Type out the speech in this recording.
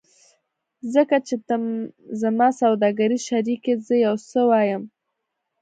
ځکه چې ته زما سوداګریز شریک یې زه یو څه وایم